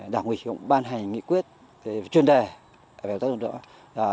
đảng huy cũng ban hành nghị quyết chuyên đề về các rồn đổi rụng đất